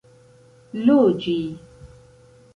loĝi